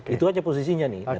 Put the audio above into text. itu saja posisinya nih